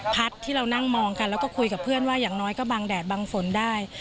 ที่เรานั่งมองกันแล้วก็คุยกับเพื่อนว่าอย่างน้อยก็บังแดดบังฝนได้